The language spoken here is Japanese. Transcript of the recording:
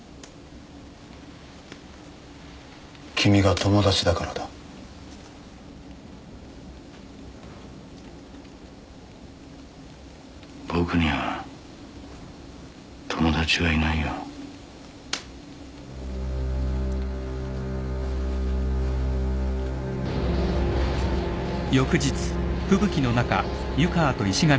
君が友達だからだ僕には友達はいないよ石神！